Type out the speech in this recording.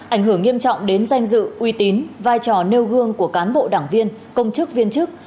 ảnh hưởng nghiêm trọng đến danh dự uy tín vai trò nêu gương của cán bộ đảng viên công chức viên chức